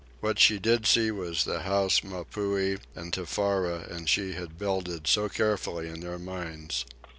What she did see was the house Mapuhi and Tefara and she had builded so carefully in their minds.